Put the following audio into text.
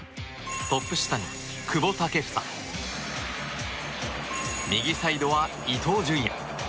トップ下に久保建英右サイドは伊東純也。